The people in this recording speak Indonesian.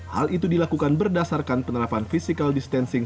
hal itu dilakukan berdasarkan penerapan physical distancing